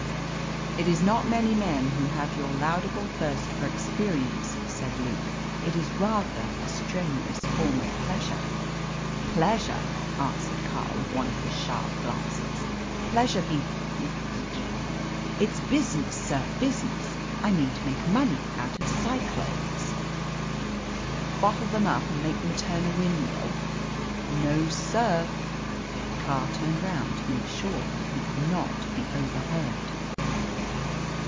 "It is not many men who have your laudable thirst for experience," said Luke. "It is rather a strenuous form of pleasure." "Pleasure!" answered Carr, with one of his sharp glances. "Pleasure, be d d! It's business, sir, business. I mean to make money out of cyclones." "How? Bottle them up and make them turn a windmill?" "No, sir." Carr turned round to make sure that he could not be overheard.